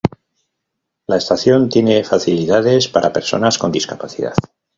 La estación tiene facilidades para personas con discapacidad.